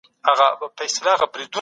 کتابونه د نورو د تجربو مجموعه ده.